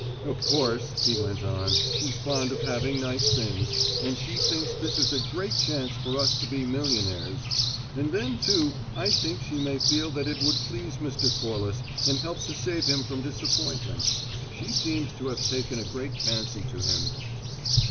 "Of course," he went on, "she's fond of having nice things, and she thinks this is a great chance for us to be millionaires; and then, too, I think she may feel that it would please Mr. Corliss and help to save him from disappointment. She seems to have taken a great fancy to him."